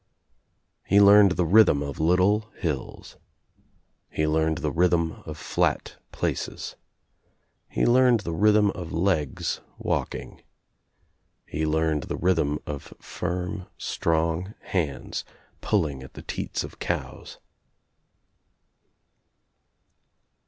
He leamtd the rhythm of little hills. He learned the rhythm of flat places. He learned the rhythm of legs walking. He learned the rhythm of firm strong hands pulling at the teats of cows.